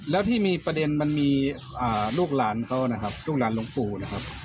แล้วที่มีประเด็นมันมีลูกหลานเขานะครับลูกหลานหลวงปู่นะครับ